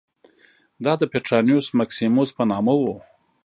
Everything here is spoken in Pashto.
دا د پټرانیوس مکسیموس په نامه و